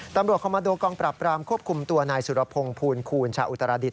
คอมมาโดกองปรับปรามควบคุมตัวนายสุรพงศ์ภูลคูณชาวอุตราดิษ